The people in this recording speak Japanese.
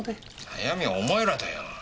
悩みはお前らだよ。